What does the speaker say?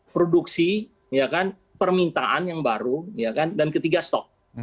produksi permintaan yang baru dan ketiga stok